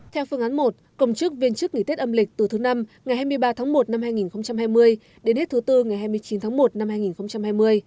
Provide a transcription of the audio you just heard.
theo phương án một cộng chức viên chức nghỉ tết âm lịch từ thứ năm ngày hai mươi ba tháng một năm hai nghìn hai mươi đến hết thứ bốn ngày hai mươi chín tháng một năm hai nghìn hai mươi